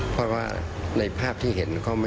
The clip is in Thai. สวัสดีครับทุกคน